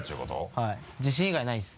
はい自信以外ないです。